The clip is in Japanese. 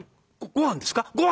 ごはんですか？